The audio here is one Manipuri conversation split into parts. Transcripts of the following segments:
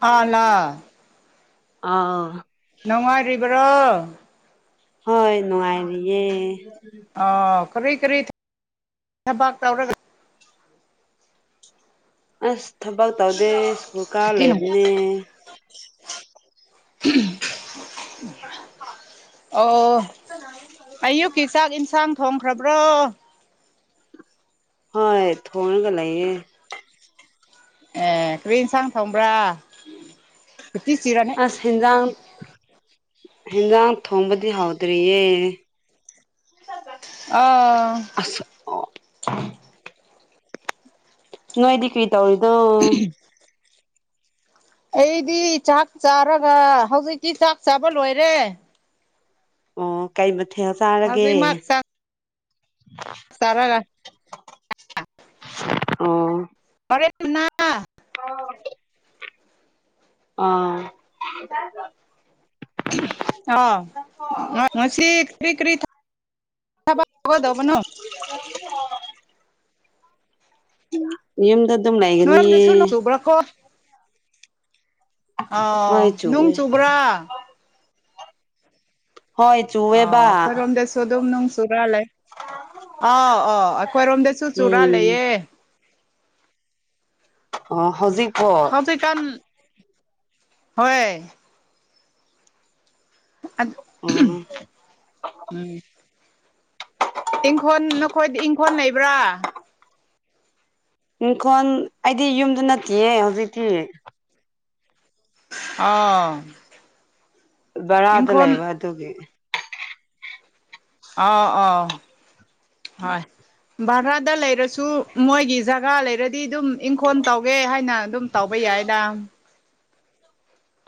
ꯑꯥꯂꯥ ꯑꯥ ꯅꯨꯡꯉꯥꯏꯔꯤꯕ꯭ꯔꯣ ꯍꯣꯏ ꯅꯨꯡꯉꯥꯏꯔꯤꯌꯦ ꯑꯣ ꯀꯔꯤ ꯀꯔꯤ ꯊꯕꯥꯛ ꯇꯧꯔꯒ ꯑꯁ ꯊꯕꯛ ꯇꯧꯗꯦ ꯁ꯭ꯀꯨꯜ ꯀꯥꯔ ꯂꯩꯕꯅꯦ ꯑꯣ ꯅꯥ ꯑꯌꯨꯛꯀꯤ ꯆꯥꯛ ꯏꯟꯁꯥꯡ ꯊꯣꯡꯈ꯭ꯔꯕ꯭ꯔꯣ ꯍꯣꯏ ꯊꯣꯡꯉꯒ ꯂꯩꯌꯦ ꯑꯦ ꯀꯔꯤ ꯌꯦꯟꯁꯥꯡ ꯊꯣꯡꯕ꯭ꯔꯥ ꯐꯤꯇꯤ ꯁꯤꯔꯅꯦ ꯍꯦꯟꯖꯥꯡ ꯍꯖꯥꯡ ꯊꯣꯡꯕꯗꯤ ꯍꯥꯎꯗ꯭ꯔꯤꯦ ꯑꯥꯎ ꯅꯣꯏꯗꯤ ꯀꯔꯤ ꯇꯧꯔꯤꯅꯣ ꯑꯩꯗꯤ ꯆꯥꯛ ꯆꯥꯔꯒ ꯍꯧꯖꯤꯛꯇꯤ ꯆꯥꯛ ꯆꯥꯕ ꯂꯣꯏꯔꯦ ꯑꯣ ꯀꯩ ꯃꯊꯦꯜ ꯆꯥꯔꯒꯦ ꯇꯔꯒ ꯑꯣ ꯍꯣꯔꯦꯟ ꯗꯨꯅꯥ ꯑ ꯑꯥ ꯑ ꯉꯁꯤ ꯀ꯭ꯔꯤ ꯀ꯭ꯔꯤ ꯊ ꯊꯕꯛ ꯇꯩꯒꯗꯕꯅꯣ [inaudible] ꯌꯨꯝꯗ ꯑꯗꯨꯝ ꯂꯩꯒꯅꯤꯌꯦ ꯈꯣ ꯑ ꯍꯣꯏ ꯅꯨꯡ ꯆꯨꯋꯦ ꯆꯨꯕ꯭ꯔꯥ ꯍꯣꯏ ꯑ ꯆꯨꯋꯦꯕ ꯈꯣꯏꯔꯣꯝꯗꯁꯨ ꯑꯗꯨꯝ ꯅꯣꯡ ꯆꯨꯔꯥ ꯂꯩ ꯑꯥꯎ ꯑꯥꯎ ꯑꯩꯈꯣꯏꯔꯣꯝꯗꯁꯨ ꯆꯨꯔꯥ ꯎꯝ ꯂꯩꯌꯦ ꯑꯣ ꯍꯖꯤ ꯀꯣ ꯍꯧꯖꯤꯀꯥꯟ ꯍꯣꯏ ꯑ ꯑꯣ ꯎꯝ ꯏꯪꯈꯣꯜ ꯅꯈꯣꯏꯗꯤ ꯏꯪꯈꯣꯜ ꯂꯩꯕ꯭ꯔꯥ ꯏꯡꯈꯣꯟ ꯑꯩꯗꯤ ꯌꯨꯝꯗ ꯅꯠꯇꯦꯌꯦ ꯍꯧꯖꯤꯛꯇꯤ ꯑꯥ ꯕꯔꯥꯗ ꯂꯩꯕ ꯑꯗꯨꯒꯤ ꯑ ꯑꯣ ꯍ ꯚꯥꯔꯗ ꯂꯩꯔꯁꯨ ꯃꯣꯏꯒꯤ ꯖꯒꯥ ꯂꯩꯔꯗꯤ ꯑꯗꯨꯝ ꯏꯪꯈꯣꯜ ꯇꯧꯒꯦ ꯍꯥꯏꯅ ꯑꯗꯨꯝ ꯇꯧꯕ ꯌꯥꯏꯗꯥ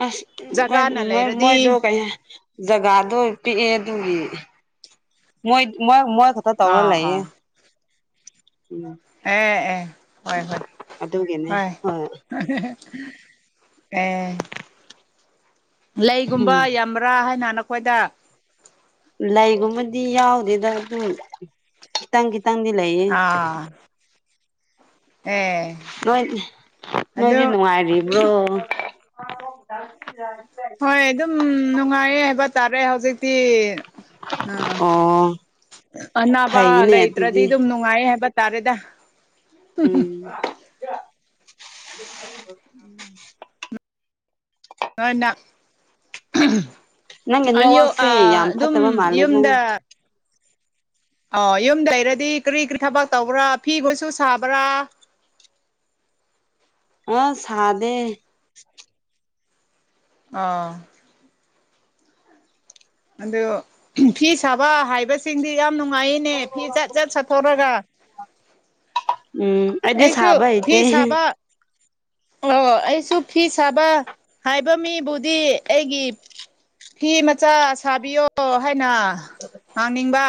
ꯑ ꯃꯣꯏ ꯖꯒꯥꯅ ꯃꯣꯏ ꯃꯣꯏꯗꯣ ꯂꯩꯔꯗꯤ ꯀꯩ ꯍꯥꯏ ꯖꯒꯥꯗꯣ ꯄꯤꯛꯑꯦ ꯑꯗꯨꯒꯤ ꯃꯣꯏ ꯃꯣꯏ ꯈꯛꯇ ꯇꯧꯔ ꯑꯥ ꯂꯩꯌꯦ ꯑꯥ ꯎ ꯑꯦ ꯑꯦ ꯍꯣꯏ ꯍꯣꯏ ꯍꯣꯏ ꯑꯦ ꯂꯩꯒꯨꯝꯕ ꯎꯝ ꯌꯥꯝꯕ꯭ꯔꯥ ꯍꯥꯏꯅ ꯅꯈꯣꯏꯗ ꯂꯩꯒꯨꯝꯕꯗꯤ ꯌꯥꯎꯗꯦꯗ ꯑꯗꯨ ꯈꯤꯇꯪ ꯈꯤꯇꯪꯗꯤ ꯂꯩꯌꯦ ꯑꯥ ꯑꯦ ꯅꯣꯏꯠ ꯅꯣꯏꯗꯤ ꯑꯗꯨ ꯅꯨꯡꯉꯥꯏꯔꯤꯕ꯭ꯔꯣ [inaudible] ꯍꯣꯏ ꯑꯗꯨꯝ ꯅꯨꯡꯉꯥꯏꯌꯦ ꯍꯥꯏꯕ ꯇꯥꯔꯦ ꯍꯧꯖꯤꯛꯇꯤ ꯑ ꯑꯣ ꯑꯅꯥꯕ ꯐꯩꯅꯦ ꯂꯩꯇ꯭ꯔꯗꯤ ꯑꯗꯨꯗꯤ ꯑꯗꯨꯝꯅꯨꯡ ꯅꯨꯉꯏꯌꯦ ꯍꯥꯏꯕ ꯇꯥꯔꯦꯗ ꯎꯝ [inaudible] ꯅ ꯅꯪꯒꯤ ꯑꯩꯌꯣ ꯅꯦꯠꯋꯥꯛꯁꯦ ꯌꯥꯝ ꯑꯗꯨꯝ ꯐꯠꯇꯕ ꯃꯥꯜꯂꯦꯀꯣ ꯌꯨꯝꯗ ꯑꯣ ꯌꯨꯝꯗ ꯂꯩꯔꯗꯤ ꯀꯔꯤ ꯀꯔꯤ ꯊꯕꯛ ꯇꯧꯕ꯭ꯔꯥ ꯐꯤꯒꯣꯏꯁꯨ ꯁꯥꯕ꯭ꯔꯥ ꯑ ꯁꯥꯗꯦ ꯑꯥ ꯑꯗꯨ ꯐꯤ ꯁꯥꯕ ꯍꯥꯏꯕꯁꯤꯡꯗꯤ ꯌꯥꯝ ꯅꯨꯡꯉꯥꯏꯅꯦ ꯐꯤ ꯖꯠ ꯖꯠ ꯁꯥꯊꯣꯔꯒ ꯎꯝ ꯑꯩꯗꯤ ꯑꯩꯁꯨ ꯁꯥꯕ ꯍꯩꯇꯦ ꯐꯤ [inaudible] ꯑꯣ ꯑꯩꯁꯨ ꯐꯤ ꯁꯥꯕ ꯍꯥꯏꯕ ꯃꯤꯕꯨꯗꯤ ꯑꯩꯒꯤ ꯐꯤ ꯃꯆꯥ ꯁꯥꯕꯤꯌꯣ ꯍꯥꯏꯅ ꯍꯥꯡꯅꯤꯡꯕ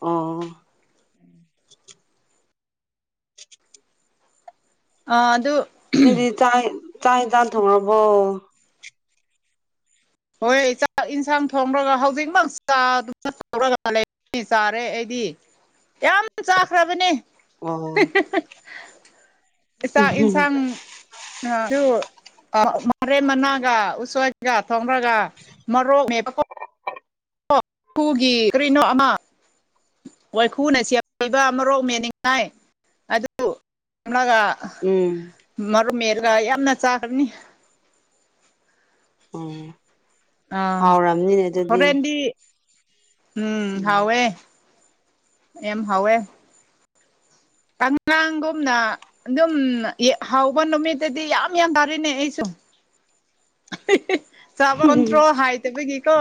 ꯑꯣ ꯑ ꯑꯗꯨ ꯅꯗꯤ ꯆꯥꯛ ꯆꯥꯛ ꯍꯤꯟꯆꯡ ꯊꯣꯡꯔꯕꯣ ꯍꯣꯏ ꯆꯛ ꯏꯟꯁꯥꯡ ꯊꯣꯡꯔꯒ ꯍꯧꯖꯤꯛꯃꯛ [unintelligible] ꯂꯩ ꯆꯥꯔꯦ ꯑꯩꯗꯤ ꯌꯥꯝ ꯆꯥꯈ꯭ꯔꯥꯕꯅꯦ ꯑꯣ ꯥꯆꯥꯛ ꯏꯟꯁꯥꯡ ꯑꯗꯨ ꯃꯔꯦꯟ ꯃꯅꯥꯒ ꯎꯁꯣꯏꯒ ꯊꯣꯡꯔꯒ ꯃꯔꯣꯛ [unintelligible] ꯀꯔꯤꯅꯣ ꯑꯃ ꯋꯥꯏꯈꯨꯅ ꯆꯦꯄꯄꯤꯕꯥ ꯑꯃꯣꯛ ꯃꯦꯅꯤꯡꯉꯥꯏ ꯑꯗꯨ ꯂꯒꯥ ꯎꯝ ꯃꯔꯨꯞ ꯃꯦꯜꯒ ꯌꯥꯝꯅ ꯆꯥꯈ꯭ꯔꯅꯤ ꯑꯣ ꯑꯥ ꯍꯥꯎꯔꯝꯅꯤꯅꯦ ꯑꯗꯨꯗꯤ ꯍꯣꯔꯦꯟꯗꯤ ꯎꯝ ꯍꯥꯎꯋꯦ ꯌꯝ ꯍꯥꯎꯋꯦ ꯀꯪꯂꯥꯡꯒꯨꯝꯅ ꯑꯗꯨꯝ ꯍꯧꯕ ꯅꯨꯃꯤꯠꯇꯗꯤ ꯌꯥꯝ ꯌꯥꯝ ꯇꯥꯔꯤꯅꯦ ꯑꯩꯁꯨ ꯆꯥꯕꯟꯠꯇ꯭ꯔꯣ ꯍꯥꯏꯗꯕꯒꯤꯀꯣ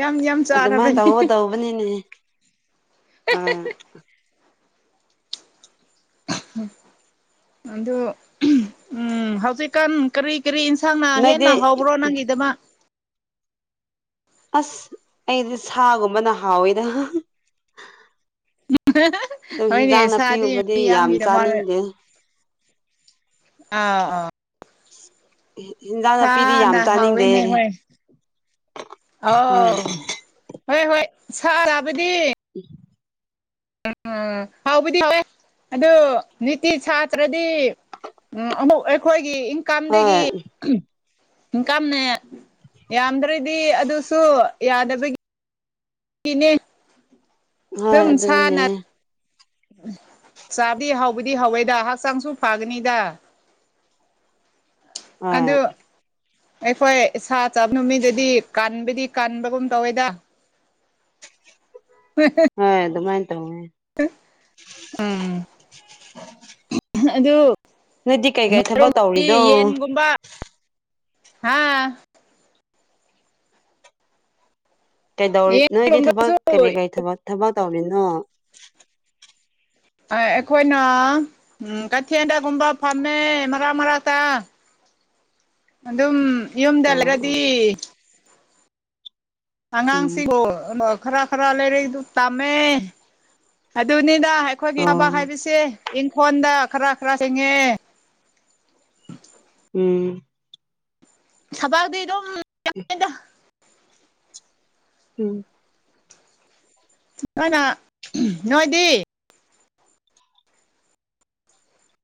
ꯌꯥꯝ ꯌꯥꯝ ꯑꯗꯨꯃꯥꯏꯅ ꯆꯥꯔꯕꯅꯦ ꯇꯧꯕ ꯇꯧꯕꯅꯤꯅꯦ ꯑꯥ ꯑꯗꯨ ꯎꯝ ꯍꯧꯖꯤꯛꯀꯥꯟ ꯀꯔꯤ ꯀꯔꯤ ꯏꯟꯁꯥꯡꯅ ꯅꯣꯏꯗꯤ ꯍꯦꯟꯅ ꯍꯕ꯭ꯔꯣ ꯅꯪꯒꯤꯗꯃ ꯑꯁ ꯑꯩꯗꯤ ꯁꯥꯒꯨꯝꯕꯅ ꯍꯥꯎꯋꯤꯗ ꯑꯗꯨ ꯍꯤꯟꯖꯥꯡ ꯍꯣꯏꯅꯦ ꯁꯥꯗꯤ ꯅꯥꯄꯤꯒꯨꯝꯕꯗꯤ ꯃꯤ ꯌꯥꯝ ꯌꯥꯝꯒꯤꯗ ꯃꯥꯜ ꯆꯥꯅꯤꯡꯗꯦ ꯑꯥ ꯑꯥ ꯍꯤꯟꯖꯥꯡ ꯅꯥꯄꯤꯗꯤ ꯌꯥꯝ ꯁꯥꯅ ꯆꯥꯅꯤꯡꯗꯦ ꯍꯥꯎꯋꯦꯅꯦ ꯍꯣꯏ ꯍꯣꯏ ꯑꯥꯎ ꯍꯣꯏ ꯍꯣꯏ ꯁꯥ ꯆꯥꯕꯗꯤ [unintelligible] ꯎꯝ ꯍꯥꯎꯕꯨꯗꯤ ꯋꯦ ꯑꯗꯨ ꯅꯤꯇꯤ ꯁꯥꯇ꯭ꯔꯗꯤ ꯎꯝ ꯑꯃꯨꯛ ꯑꯩꯈꯣꯏꯒꯤ ꯍꯣꯏ ꯏꯟꯀꯥꯝꯗꯒꯤ ꯏꯟꯀꯝꯅꯦ ꯌꯥꯝꯗ꯭ꯔꯗꯤ ꯑꯗꯨꯁꯨ ꯌꯥꯗꯕꯒꯤ ꯒꯤꯅꯦ ꯍꯣꯏ ꯑꯗꯨꯅꯦ ꯑꯗꯨꯝꯁꯅ ꯆꯥꯕꯗꯤ ꯍꯥꯎꯕꯗꯤ ꯍꯥꯎꯋꯦꯗ ꯍꯛꯆꯥꯡꯁꯨ ꯐꯒꯅꯤꯗ ꯑꯗꯨ ꯍꯣꯏ ꯑꯩꯈꯣꯏ ꯁꯥ ꯆꯥꯕ ꯅꯨꯃꯤꯗꯗꯤ ꯀꯟꯕꯨꯗꯤ ꯀꯟꯕꯒꯨꯝ ꯇꯧꯋꯦꯗ ꯍꯦ ꯍꯦ ꯍꯦ ꯍꯣꯏ ꯑꯗꯨꯃꯥꯏꯅ ꯇꯧꯋꯦ ꯎꯝ ꯑꯗꯨ ꯅꯣꯏꯗꯤ ꯀꯩꯀꯩ ꯊꯕꯛ ꯅꯣꯢꯔꯣꯝꯗꯤ ꯇꯧꯔꯤꯅꯣ ꯌꯦꯟꯒꯨꯝꯕ ꯍꯥꯥ ꯀꯩꯗꯧꯔꯤ ꯅꯣꯏꯗꯤ ꯊꯕꯛ ꯌꯦꯟꯒꯨꯝꯕꯁꯨ ꯀꯔꯤ ꯀꯔꯤ ꯊꯕꯛ ꯇꯧꯔꯤꯅꯣ ꯑꯩꯈꯣꯏꯅ ꯎꯝ ꯀꯊꯤꯟꯗꯒꯨꯝꯕ ꯐꯃꯦ ꯃꯔꯛ ꯃꯔꯛꯇ ꯑꯗꯨꯝ ꯌꯨꯝꯗ ꯑꯣ ꯑꯣ ꯂꯩꯔꯗꯤ ꯎꯝ ꯑꯉꯥꯡꯁꯤꯡꯕꯨ ꯈꯔ ꯈꯔ ꯂꯥꯏꯔꯤꯛꯗꯨ ꯇꯝꯃꯦ ꯑꯗꯨꯅꯤꯗ ꯑꯩꯈꯣꯏꯒꯤ ꯊꯕꯛ ꯑꯣ ꯍꯥꯏꯕꯁꯦ ꯏꯪꯈꯣꯟꯗ ꯈꯔ ꯈꯔ ꯆꯦꯡꯉꯦ ꯎꯝ ꯊꯕꯛꯇꯤ ꯑꯗꯨꯝ ꯌꯥꯝꯃꯤꯗ ꯎꯝ ꯀꯅ ꯅꯣꯏꯗꯤ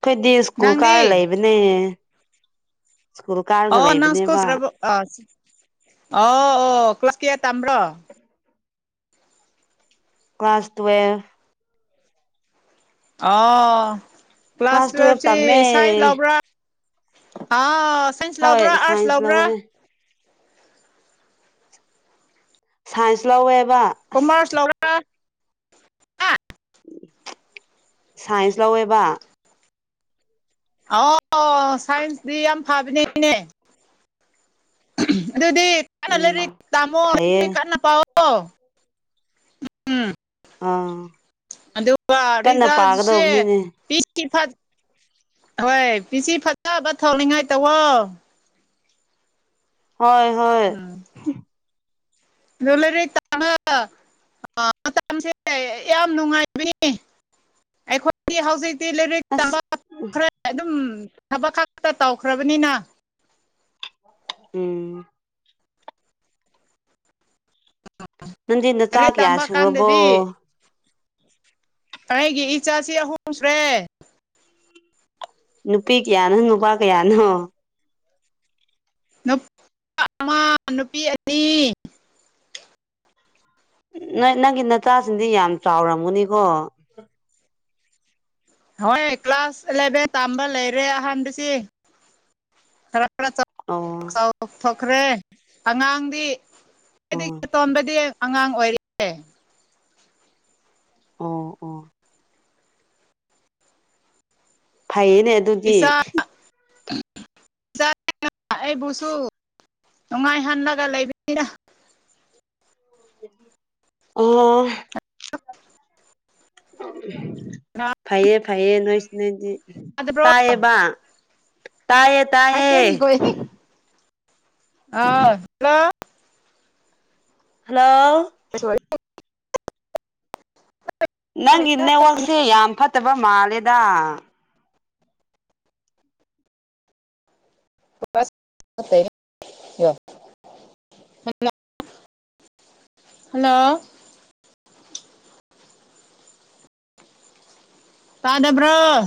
ꯑꯩꯈꯣꯏꯗꯤ ꯁ꯭ꯀꯨꯜ ꯀꯥꯔꯒ ꯅꯪꯗꯤ ꯂꯩꯕꯅꯦ ꯁ꯭ꯀꯨꯜ ꯀꯥꯔꯒ ꯂꯩꯕꯅꯦꯕ ꯑꯥ ꯑ ꯑꯣ ꯀ꯭ꯂꯥꯁ ꯀꯌꯥ ꯇꯥꯝꯕ꯭ꯔꯣ ꯀ꯭ꯂꯥꯁ ꯇ꯭ꯨꯋꯦꯞ ꯑꯣ ꯀ꯭ꯂꯥꯁ ꯇꯨꯋꯦꯜꯐ ꯇ꯭ꯨꯋꯦꯞꯚꯁꯤ ꯇꯝꯃꯦ ꯁꯥꯢꯟꯁ ꯂꯧꯕ꯭ꯔꯥ ꯑ ꯁꯥꯏꯟꯁ ꯍꯣꯏ ꯂꯥꯎꯕ꯭ꯔꯥ ꯑꯔꯠꯁ ꯁꯥꯏꯟꯁ ꯂꯧꯋꯦ ꯂꯥꯎꯕ꯭ꯔꯥ ꯁꯥꯏꯟꯁ ꯂꯧꯋꯦꯕ ꯀꯣꯃꯔꯁ ꯂꯧꯔꯒ ꯁꯥꯏꯟꯁ ꯂꯧꯋꯦꯕ ꯑꯣ ꯁꯥꯏꯟꯁꯗꯤ ꯌꯥꯝ ꯐꯕꯅꯦ ꯑꯗꯨꯗꯤ ꯀꯥꯟꯅ ꯎꯝ ꯂꯥꯢꯔꯤꯛ ꯇꯥꯝꯃꯣ ꯐꯩꯌꯦ ꯀꯥꯟꯅ ꯄꯥꯎ ꯀꯣ ꯎꯝ ꯑꯥ ꯑꯗꯨꯒ ꯀꯟꯅ ꯔꯤꯖꯥꯟꯁꯦ ꯄꯥꯒꯗꯧꯕꯅꯤꯅꯦ ꯍꯣꯏ ꯄꯤꯆꯤ ꯐꯖꯕ ꯊꯣꯛꯅꯤꯡꯉꯥꯏ ꯇꯧꯋꯣ ꯍꯣꯏ ꯍꯣꯏ ꯂꯂꯔꯤ ꯇꯉ [inaudible] ꯑꯥ ꯃꯇꯝꯁꯦ ꯌꯥꯝ ꯅꯨꯡꯉꯥꯏꯕꯅꯦ ꯑꯩꯈꯣꯏꯗꯤ ꯍꯧꯖꯤꯛꯇꯤ ꯂꯥꯏꯔꯤꯛ ꯂꯥꯢꯔꯤꯛ ꯑꯁ ꯇꯥꯝꯕ ꯃꯇꯝꯗ ꯊꯕꯛ ꯈꯛꯇ ꯇꯧꯈ꯭ꯔꯕꯅꯤꯅ ꯎꯝ ꯅꯪꯗꯤ ꯅꯆꯥ ꯂꯥꯏꯔꯤꯛ ꯀꯌꯥ ꯇꯝꯕ ꯁꯨꯔꯕꯣ ꯀꯥꯟꯗꯗꯤ ꯑꯩꯒꯤ ꯏꯆꯥꯁꯤ ꯑꯍꯨꯝ ꯁꯨꯔꯦ ꯅꯨꯄꯤ ꯀꯌꯥꯅꯣ ꯅꯨꯄꯥ ꯀꯌꯥꯅꯣ ꯅꯨꯄꯥ ꯑꯃ ꯅꯨꯄꯤ ꯑꯅꯤ ꯅꯣꯏ ꯅꯪꯒꯤ ꯅꯆꯥꯁꯤꯡꯗꯤ ꯌꯥꯝ ꯆꯥꯎꯔꯝꯒꯨꯅꯤꯀꯣ ꯍꯣꯏ ꯀ꯭ꯂꯥꯁ ꯑꯦꯂꯦꯚꯦꯟ ꯇꯝꯕ ꯂꯩꯔꯦ ꯑꯍꯥꯟꯕꯁꯤ ꯈꯔ ꯑꯣ ꯆꯥꯎꯊꯣꯛꯈ꯭ꯔꯦ ꯑꯉꯥꯡꯗꯤ ꯑꯝ ꯁꯣꯝꯗꯗꯤ ꯑꯉꯥꯡ ꯑꯣꯏꯔꯤ ꯑꯣ ꯑꯣ ꯐꯩꯌꯦꯅꯦ ꯑꯗꯨꯗꯤ ꯢꯆꯥꯅ ꯢꯆꯥꯅ ꯑꯩꯕꯨꯁꯨ ꯅꯨꯡꯉꯥꯏꯍꯜꯂꯒ ꯂꯩꯕꯅꯤꯗ ꯑꯣ ꯐꯩꯌꯦ ꯐꯩꯌꯦ ꯅꯣꯏꯁꯤ ꯅꯣꯏꯗꯤ ꯅꯥꯗꯕ꯭ꯔꯣ ꯇꯌꯦꯕ ꯇꯏꯌꯦ ꯇꯥꯏꯌꯦ ꯑ ꯍꯦꯜꯂꯣ ꯍꯜꯂꯣ ꯁꯣꯔꯤ ꯅꯪꯒꯤ ꯅꯦꯠꯋꯛꯁꯦ ꯌꯥꯝ ꯐꯠꯇꯕ ꯃꯥꯜꯂꯦꯗ [unintelligible] ꯍꯜꯂꯣ ꯇꯥꯗꯕ꯭ꯔꯣ